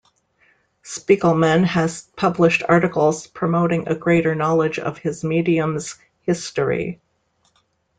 Spiegelman has published articles promoting a greater knowledge of his medium's history.